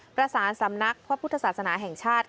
ประสานสำนักพระพุทธศาสนาแห่งชาติ